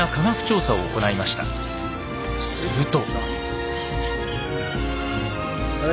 すると。